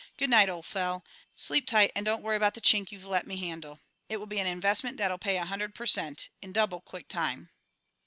Good night, old fel; sleep tight and don't worry about the chink you've let me handle. It will be an investment that'll pay a hundred per cent. in double quick time."